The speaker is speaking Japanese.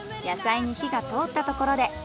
野菜に火が通ったところで。